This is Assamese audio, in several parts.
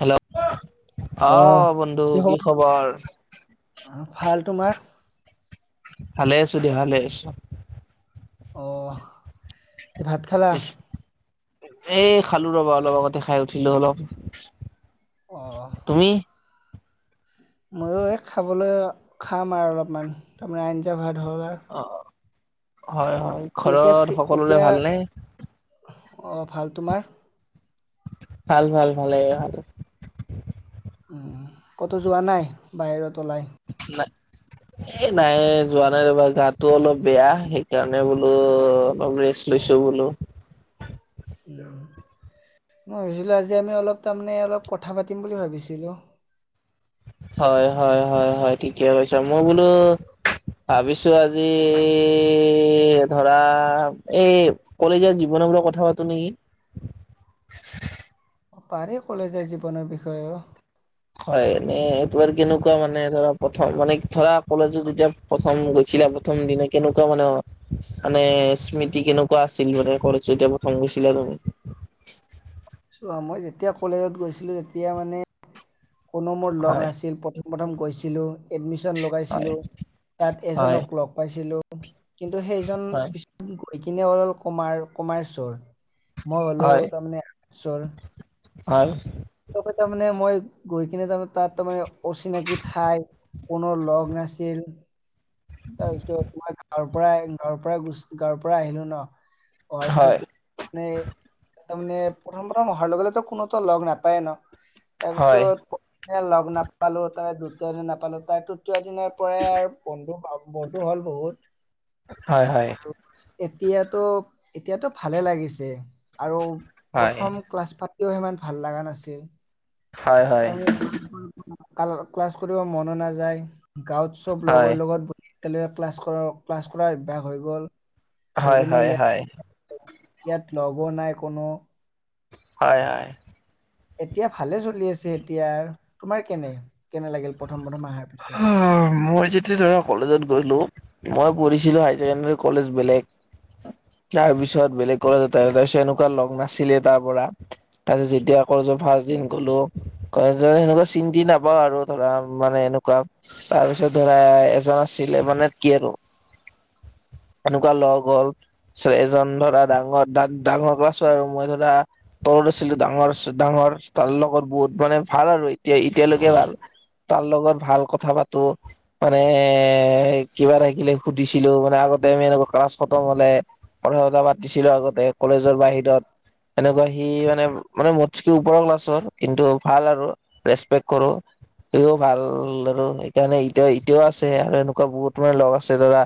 হেল্ল' অহ বন্ধু কি খবৰ? ভাল, তোমাৰ? ভালে আছোঁ দিয়া, ভালে আছোঁ। অ এই ভাত খালা? পিছ এই খালো ৰবা অলপ আগতে খাই উঠিলো অলপ, অহ তুমি? মইয়ো এই খাবলৈ খাম আৰু অলপমান তাৰমানে আঞ্জা ভাত হ'ল আমাৰ। অ হয় হয় ঘৰত সকলোৰে ভালনে? অ ভাল, তোমাৰ? ভাল ভাল ভালে ভালে। ক'তো যোৱা নাই বাহিৰত ওলাই? নাই। এ নাই যোৱা নাই ৰবা গাটো অলপ বেয়া সেইকাৰণে বোলো অলপ ৰেষ্ট লৈছোঁ বোলো। মই ভাবিছিলোঁ আজি আমি অলপ তাৰমানে অলপ কথা পাতিম বুলি ভাবিছিলোঁ। হয় হয় হয় হয় ঠিকে কৈছা মই বোলো। ভাবিছোঁ আজি ধৰা এই কলেজীয়া জীৱনক লৈ কথা পাতো নেকি? অ পাৰে কলেজীয়া জীৱনৰ বিষয়েও হয় এনে এইটো আৰু কেনেকুৱা মানে ধৰা প্ৰথম মানে ধৰা কলেজত যেতিয়া প্ৰথম গৈছিলা প্ৰথম দিনা কেনেকুৱা মানে মানে স্মৃতি কেনেকুৱা আছিল মানে কলেজ এতিয়া প্ৰথম গৈছিলা তুমি চোৱা মই যেতিয়া কলেজত গৈছিলো তেতিয়া মানে কোনো মোৰ লগ হয় নাছিল প্ৰথম প্ৰথম গৈছিলোঁ। এডমিশ্যন হয় লগাইছিলোঁ তাত হয় এজনক লগ পাইছিলোঁ কিন্তু সেইজন পিছ গৈ কিনে অৰল কমাৰ কমাৰ্চৰ মই হ'লো তাৰমানে চাইন্সৰ ভাল ত কৈত মানে মই গৈ কিনে তাৰমানে তাত তাৰমানে অচিনাকি ঠাই কোনো লগ নাছিল তাৰ পিছত মই গাঁৱৰ পৰা গাঁৱৰ পৰা গোছ গাঁৱৰ পৰা আহিলো ন, অহাৰ হয় হয় পিছত মানে তাৰমানে প্ৰথম প্ৰথম অহাৰ লগে লগেতো কোনোতো লগ নাপায়ে ন হয় তাৰপিছত লগ নাপালো তাই দ্বিতীয় দিনা নাপালো তাক তো দ্বিতীয় দিনৰ পৰাই বন্ধু বন্ধু হল বহুত হয় আৰু এতিয়াতো এতিয়াতো ভালে লাগিছে আৰু হয় প্ৰথম ক্লাছ ফাট কিও সিমান ভাল লগা নাছিল। হয় হয় হয় হয় হয় [unintelligible] ক্লাৰ ক্লাছ কৰিব মন নাযায় গাঁৱত চব লগৰ লগত বহি একেলগে ক্লাছ কৰা ক্লাছ কৰা অভ্যাস হৈ গল হৈ হয় কিনে ইয়াত ইয়াত লগো নাই কোনো হয় হয় এতিয়া ভালে চলি আছে এতিয়া তোমাৰ কেনে কেনে লাগিল প্ৰথম প্ৰথম আহাৰ আহ‌ মোৰ যেত আজি ধৰা কলেজত গ'লো, মই পঢ়িছিলো হাই চেকেণ্ডাৰী কলেজ বেলেগ তাৰ পিছত বেলেগ কলেজ তাৰ পিছত এনেকুৱা লগ নাছিলে তাৰ পৰা তাৰ পিছত যেতিয়া কলেজৰ ফাৰ্ষ্ট দিন গ'লো কলেজৰ সেনেকুৱা চিনি টিনি নাপাওঁ আৰু ধৰা মানে এনে তাৰ পিছত ধৰা এজন আছিলে মানে কি আৰু এনেকুৱা লগ হ'ল তাৰপিছত এজন ধৰা ডাঙৰ-ডাঙৰ ক্লাছৰ আৰু মই ধৰা তলত আছিলোঁ ডাঙৰ-ডাঙৰ তাৰ লগত বহুত মানে ভাল আৰু এতিয়া এতিয়ালৈকে ভাল তাৰ লগত ভাল কথা পাতোঁ। মানে এই কিবা থাকিলে সুধিছিলোঁ মানে আগতে আমি এনেকুৱা ক্লাছ খতম হ'লে কথা চথা পাতিছিলোঁ আগতে কলেজৰ বাহিৰত। এনেকুৱা সি মানে-মানে মদছেকি ওপৰৰ ক্লাছৰ কিন্তু ভাল আৰু ৰেচপেক্ট কৰোঁ সিও ভাল। ভাল আৰু সেইকাৰণে এতিয়া এতিয়াও আছে আৰু এনেকুৱা বহুত মানে লগ আছে ধৰা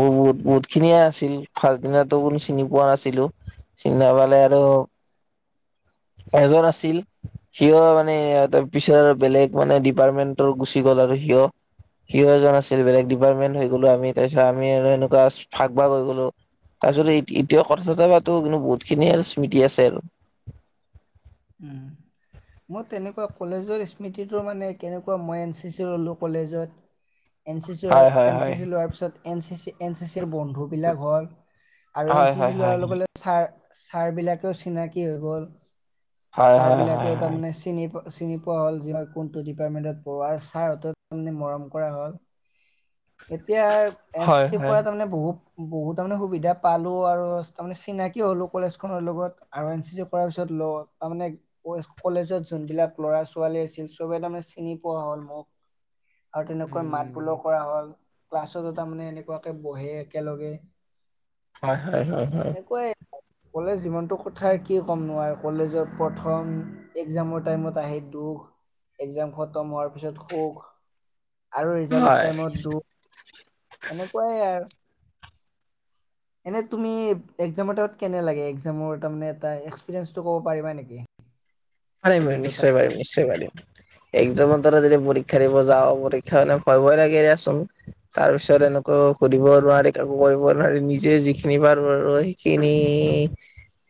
অ' বহুত-বহুত খিনিয়ে আছিল ফাৰ্ষ্ট দিনাটো কোনো চিনি পোৱা নাছিলোঁ। [unintelligible] আৰু এজন আছিল। সিও মানে পিছৰ বেলেগ মানে ডিপাৰ্টমেন্টৰ গুচি গ'ল আৰু সিও। সিও এজন আছিল বেলেগ ডিপাৰ্টমেন্ট হৈ গ'লো আমি তাৰ পিছত আমি এনেকুৱা ভাগ-ভাগ হৈ গ'লো। তাৰপিছত এতিয়া কথা চথা পাতোঁ কিন্তু বহুত খিনিয়ে আৰু স্মৃতি আছে আৰু। উম মোৰ তেনেকুৱা কলেজৰ স্মৃতিটো মানে কেনেকুৱা মই এন চি চি ল'লোঁ কলেজত। [inaudible] এন চি হয় হয় চি-এন চি হয় চি লোৱাৰ পিছত এন চি চি-এন চি চিৰৰ বন্ধু বিলাক হ'ল। আৰু এন হয় চি হয় চি হয় লোৱাৰ লগে লগে ছাৰ ছাৰবিলাকেও চিনাকি হৈ গ'ল। হয় ছাৰ হয় বিলাকেও তাৰ হয় মানে চিনি পোৱা চিনি পোৱা হ'ল যে মই কোনটো ডিপাৰ্টমেন্টত পঢ়ো আৰু ছাৰ মৰম কৰা হ'ল। [inaudible] এতিয়া এন চি হয় হয় চিৰ হয় পৰা তাৰ মানে বহুত বহুত তাৰমানে সুবিধা পালোঁ আৰু তাৰমানে চিনাকি হ'লো কলেজ খনৰ লগত। আৰু এন চি চি কৰাৰ পিছত ল তাৰ মানে কলেজত যোনবিলাক ল'ৰা-ছোৱালী আছিল চবে তাৰ মানে চিনি পোৱা হ'ল মোক। আৰু তেনেকৈ মাত উম বোলো কৰা হল ক্লাছতো তাৰমানে এনেকুৱাকে বহে একেলগে। হয়-হয়-হয়-হয়। ক কলেজ জীৱনতোৰ কথা‌ কি কমনো আৰু কলেজৰ প্ৰথম একজামৰ টাইমত আহে দুখ একজাম খতম হোৱাৰ পিছত সুখ আৰু ৰিজাল্টৰ হয় টাইমত দুখ। এনেকুৱাই আৰ [inaudible] এনে তুমি একজামৰ টাইমত কেনে লাগে একজামৰ এটা এক্সপিৰিয়েঞ্জটো ক'ব পাৰিবা নেকি। এ [unintelligible] হয় মই নিশ্চয় পাৰিম নিশ্চয় পাৰিম। একজামৰ দৰে যদি পৰীক্ষা দিব যাওঁ পৰীক্ষা দিব যাওঁ ভয়-ভয় লাগে দিয়াচোন। তাৰ পিছত এনেকুৱা সুধিব নোৱাৰি কাকো কৰিব নোৱাৰি নিজে যিখিনি পাৰোঁ আৰু সেই সেইখিনি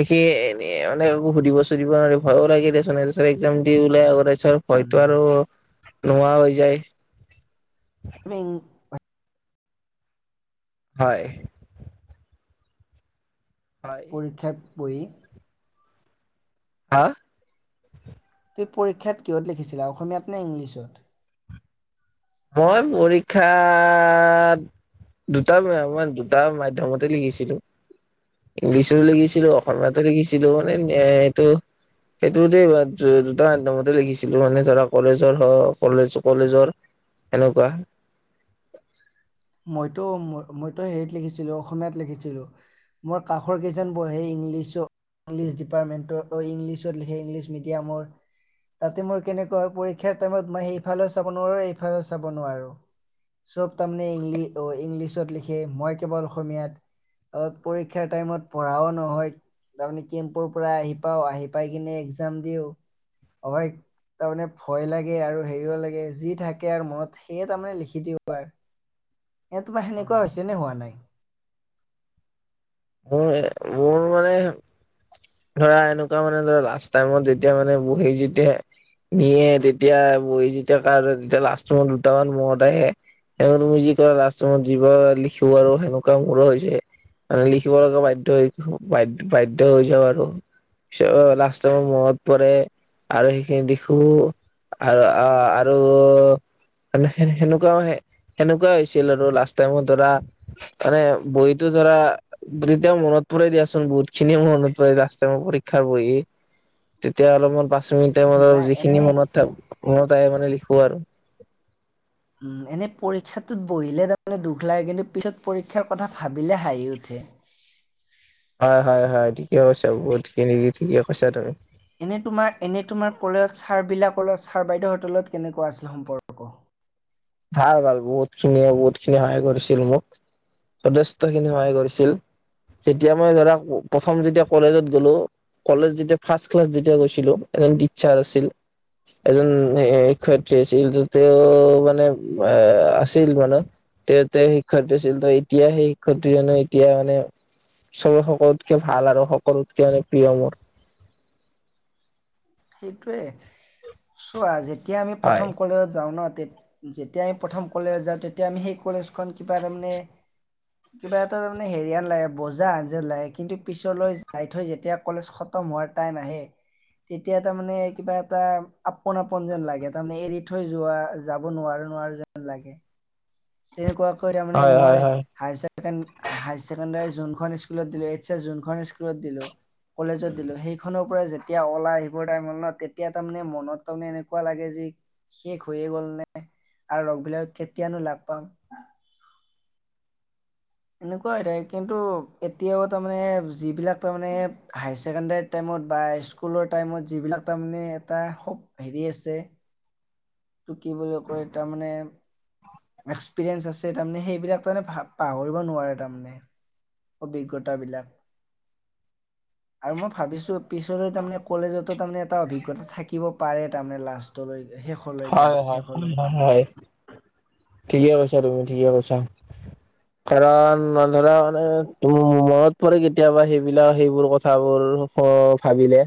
এনে কাকো সুধিব চুধিব ভয়ো লাগে। [unintelligible] একজাম দি ওলাই আহো তাৰপিছত ভয়তো উম। আৰু নোহোৱা হৈ যায়। [unintelligible] হয় হয় পৰীক্ষাত বহি তুমি হা তুমি পৰীক্ষাত কিহত লিখিছিলা অসমীয়াত নে ইংলিছত। মই পৰীক্ষাত দুটা [unintelligible] মই দুটা মাধ্যমতে লিখিছিলো। ইংলিছতো উম। লিখিছিলো অসমীয়াতো লিখিছিলো মানে এ এইটো সেইটো মতে [unintelligible] দুটা মাধ্যমতে লিখিছিলো মানে ধৰা কলেজৰ হ কলেজ- কলেজৰ এনকুৱা মইতো- ম- মইতো হেৰিত লিখিছিলোঁ অসমীয়াত লিখিছিলোঁ। মোৰ কাষৰ কেইজন বহে ইংলিছ ইংলিছ ডিপাৰ্টমেণ্টৰ অ, ইংলিছত লিখে ইংলিছ মিডিয়ামৰ। তাতে মোৰ কেনেকুৱা হয় পৰীক্ষাৰ টাইমত মই সেইফালেও চাব নোৱাৰোঁ এইফালেও চাব নোৱাৰোঁ। চব তাৰমানে ইংলি অ, ইংলিছত লিখে মই কেৱল অসমীয়াত। অ, পৰীক্ষাৰ টাইমত পঢ়াও নহয় তাৰমানে কেম্পৰ পৰা আহি পাও আহি পাই কিনে একজাম দিও তাৰমানে ভয় লাগে আৰু হেৰিও লাগে যি থাকে আৰু মনত সেয়ে তাৰমানে লিখি দিওঁ আৰ। এ তোমাৰ সেনেকুৱা হৈছে নে হোৱা নাই? মোৰ এ মো মোৰ মানে ধৰা এনেকুৱা মানে ধৰা লাষ্ট টাইমত যেতিয়া মানে বহি যেতিয়া নিয়ে তেতিয়া বহি যেতিয়া কাৰো তেতিয়া লাষ্টৰ সময়ত দুটামান মদ আহে [unintelligible] তুমি যি কৰা লাষ্টত যিব লিখিব আৰু সেনেকুৱা মোৰো হৈছে। মানে লিখিব লগা বাধ্য হৈ বাধ্য হৈ যাওঁ আৰু। পিছ লাষ্টসমূহ মনত পৰে আৰু সেইখিনি দিখো আৰ অ, আৰু মানে সে-সেনেকুৱাও হে সেনেকুৱা হৈছিল আৰু লাষ্ট টাইমত ধৰা মানে বহীতো ধৰা তেতিয়াও মনত পৰে দিয়াচোন বহুত খিনিয়ে মনত পৰে যে মোৰ পৰীক্ষাৰ বহি তেতিয়া অলপমান পাঁচ মিনিট টাইম অলপ নাই যিখিনি এনেই মনত থাক মনত আহে মানে লিখো আৰু। উম, এনে পৰীক্ষাটোত বহিলে তাৰমানে দুখ লাগে কিন্তু পিছত পৰীক্ষাৰ কথা ভাবিলে হাঁহি উঠে। হয়- হয়- হয় ঠিকে কৈছা বহুতখিনি ঠিকে কৈছা তুমি। এনে তোমাৰ- এনে তোমাৰ কলেজ ছাৰবিলাকৰ লগত ছাৰ বাইদেউ হঁতৰ লগত কেনেকুৱা আছিল সম্পৰ্ক? ভাল- ভাল বহুত খিনিয়ে-বহুত খিনি সহায় কৰিছিল মোক। যথেষ্ট খিনি সহায় কৰিছিল যেতিয়া মই ধৰা প্ৰথম যেতিয়া কলেজত গ'লো কলেজ যেতিয়া ফাৰ্ষ ক্লাছ যেতিয়া গৈছিলোঁ এজন টিচচাৰ আছিল এজন এ শিক্ষয়িত্ৰী আছিল য তেওঁ মানে আহ, আছিল মানে তেতে শিক্ষয়িত্ৰী আছিল ত' এতিয়া সেই শিক্ষয়িত্ৰীজনো এতিয়া মানে চবে সকলোতকে ভাল আৰু সকলোতকে মানে প্ৰিয় মোৰ। সেইটোৱে চোৱা যেতিয়া আমি হয় প্ৰথম কলেজত যাওঁ ন' তে যেতিয়া আমি প্ৰথম কলেজত যাওঁ তেতিয়া আমি সেই কলেজখন কিবা তাৰমানে [inaudible] কিবা এটা তাৰমানে হেৰিহান লাগে বজা হেন যেন লাগে কিন্তু পিছলৈ যাই থৈ যেতিয়া কলেজখন ত' মই টাইম আহে। তেতিয়া তাৰমানে কিবা এটা আপোন- আপোন যেন লাগে তাৰমানে এৰি থৈ যোৱা যাব নোৱাৰো -নোৱাৰো যেন লাগে তেনেকুৱাকৈ তাৰমানে হয় হয় মই হয় হাইছে ছেকেণ্ড হাই ছেকেণ্ডাৰী যোনখন স্কুলত দিলো এইছ চেছ যোনখন স্কুলত দিলো কলেজত দিলো সেইখনৰ পৰাই যে তেতিয়া অলাই আহিব টাইম হল ন' তেতিয়া তাৰমানে মনত তাৰমানে এনেকুৱা লাগে যি শেষ হৈয়ে গ'ল নে আৰু লগ বিলাকক কেতিয়ানো লাগ পাম এনেকুৱাই হৈ থাকে কিন্তু এতিয়াও তাৰমানে যিবিলাক তাৰমানে হায়াৰ ছেকেণ্ডাৰীত টাইমত বা স্কুলৰ টাইমত যিবিলাক তাৰমানে এটা খব হেৰি আছে এইটো কি বুলি কয় তাৰমানে এক্সপিৰিয়েঞ্চ আছে তাৰমানে সেইবিলাক তাৰমানে পাহৰিব নোৱাৰে তাৰমানে অভিজ্ঞতা বিলাক আৰু মই ভাবিছো পিছলৈ তাৰমানে কলেজতো তাৰমানে এটা অভিজ্ঞতা থাকিব পাৰে তাৰমানে লাষ্ট শেষলৈকে, হয় শেষলৈ, হয় হয় শেষলৈ হয় হয়। ঠিকে কৈছা তুমি ঠিকে কৈছা। কাৰণ লৰা হলে তু -মনত পৰে কেতিয়াবা সেইবিলাক সেইবোৰ কথাবোৰ অ ভাবিলে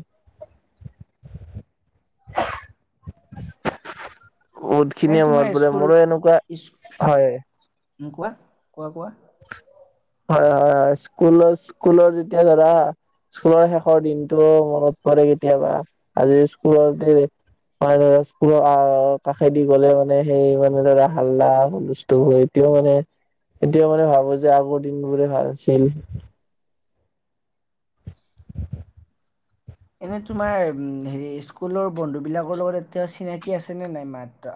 এনে বহুতখিনিয়ে তোমাৰ মনত পৰে স্কুল মোৰো এনেকুৱা, হয় উম কোৱা কোৱা- কোৱা? হয়- হয়- হয় স্কুলৰ- স্কুলৰ যেতিয়া ধৰা স্কুলৰ শেষৰ দিনটো মনত পৰে কেতিয়াবা আজি স্কুলৰ মানে ধৰা স্কুলৰ আ কাষেদি গ'লে মানে সেই মানে ধৰা হাল্লা, হুলস্থূল হৈ এতিয়া মানে এতিয়া মানে ভাবো যে আগৰ দিনবোৰে ভাল আছিল এনে তোমাৰ হেৰি স্কুলৰ বন্ধুবিলাকৰ লগত এতিয়াও চিনাকি আছেনে নাই মাত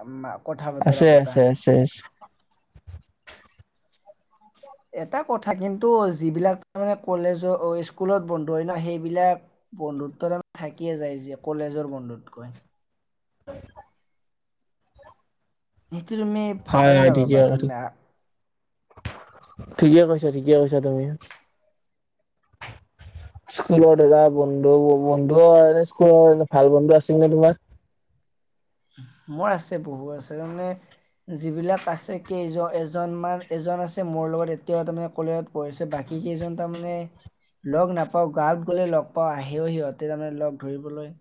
কথা বতৰা পতা শেষ এটা কথা কিন্তু যিবিলাক মানে কলেজৰ -স্কুলত বন্ধু হয় না সেইবিলাক বন্ধুত্ব তাৰে থাকিয়ে যায় যে কলেজৰ বন্ধুতকৈ হয় সেইতো তুমি ভাবা হয় নে হয় ঠিকে নাভাবা তাৰমানে ঠিকে কৈছা, ঠিকে কৈছা তুমি [unintelligible] স্কুলত দাদা বন্ধু-বন্ধু এনে স্কুলৰ ভাল বন্ধু আছিল নে তোমাৰ? মোৰ আছে বহু আছে তাৰমানে যিবিলাক আছে কেইজন -এজনমান এজন আছে মোৰ লগত এতিয়াও তাৰমানে কলেজত পঢ়িছে, বাকী কেইজন তাৰমানে লগ নাপাওঁ গাঁৱত গ'লে লগ পাওঁ, আহেও সিহঁতে তাৰমানে লগ ধৰিবলৈ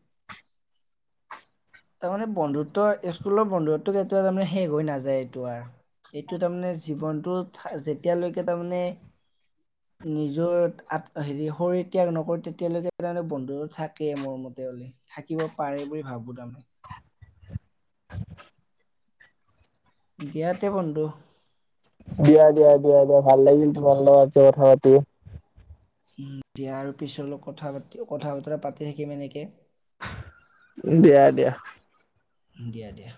তাৰমানে বন্ধুত্ব, স্কুলৰ বন্ধুত্ব কেতিয়া তাৰমানে শেষ হৈ নাযায় এইটো আৰু এইটো তাৰমানে জীৱনটোত যেতিয়ালৈকে তাৰমানে হয় [unintelligible] নিজৰ আত হেৰি শৰীৰ ত্যাগ নকৰোঁ তেতিয়ালৈকে তাৰে বন্ধু থাকেই মোৰ মতে হ'লে থাকিব পাৰে বুলি ভাবো তাৰমানে দিয়াতে বন্ধু। দিয়া- দিয়া, দিয়া- দিয়া ভাল লাগিল তোমাল লগত যে কথা পাতি দিয়া আৰু পিছলৈ কথা পাতি কথা -বতৰা পাতি থাকিম এনেকে দিয়া- দিয়া। দিয়া দিয়া।